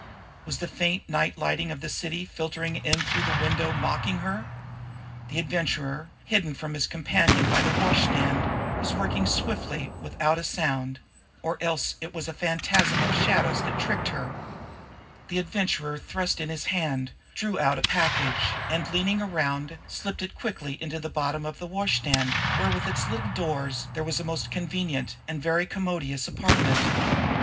Was the faint night light of the city filtering in through the window mocking her? The Adventurer, hidden from his companion by the washstand, was working swiftly and without a sound or else it was a phantasm of shadows that tricked her! A door in the wall opened; the Adventurer thrust in his hand, drew out a package, and, leaning around, slipped it quickly into the bottom of the washstand, where, with its little doors, there was a most convenient and very commodious apartment.